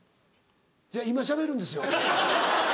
今しゃべるんですよ。